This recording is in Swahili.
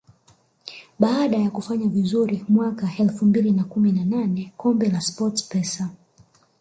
Baada ya kufanya vizuri mwaka elfu mbili na kumi na nane kombe la SportPesa